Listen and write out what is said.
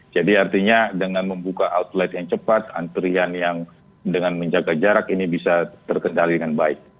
jadi artinya dengan membuka outlet yang cepat antrian yang dengan menjaga jarak ini bisa terkendali dengan baik